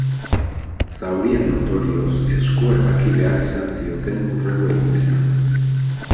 Zaurien ondorioz eskua ebaki behar izan zioten hurrengo egunetan.